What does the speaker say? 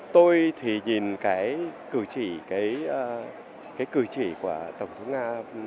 tôi thì nhìn cái cử chỉ cái cử chỉ của tổng thống nga